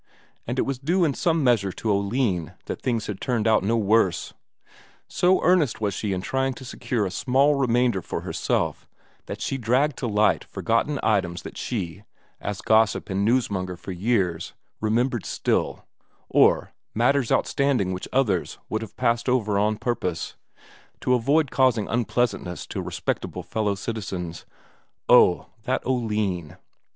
And it was due in some measure to Oline that things had turned out no worse; so earnest was she in trying to secure a small remainder for herself that she dragged to light forgotten items that she, as gossip and newsmonger for years, remembered still, or matters outstanding which others would have passed over on purpose, to avoid causing unpleasantness to respectable fellow citizens. Oh, that Oline!